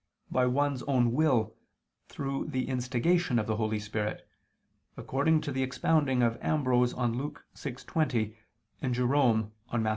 by one's own will, through the instigation of the Holy Spirit, according to the expounding of Ambrose on Luke 6:20 and Jerome on Matt.